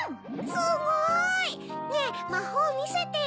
すごい！ねぇまほうをみせてよ。